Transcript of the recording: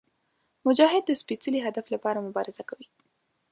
مجاهد د سپېڅلي هدف لپاره مبارزه کوي.